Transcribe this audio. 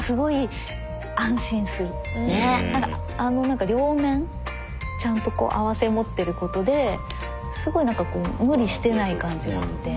何か両面ちゃんとこう併せ持ってることですごい何かこう無理してない感じがあって。